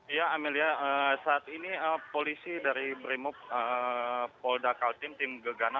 ya amelia saat ini polisi dari bremuk poldakal tim tim gegana